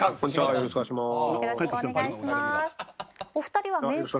よろしくお願いします。